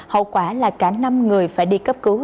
hậu quả là cả năm người phải đi cấp cứu